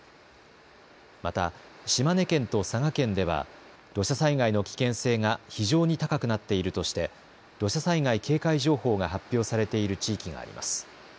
また島根県と佐賀県では土砂災害の危険性が非常に高くなっているとして土砂災害警戒情報が発表されている地域があります。